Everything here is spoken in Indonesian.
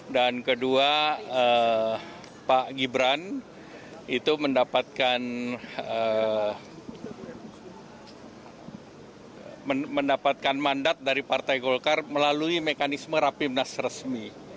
dan kedua pak gibran itu mendapatkan mandat dari partai golkar melalui mekanisme rapimnas resmi